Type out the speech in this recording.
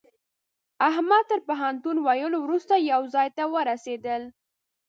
احمد تر پوهنتون ويلو روسته يوه ځای ته ورسېدل.